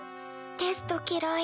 テスト嫌い。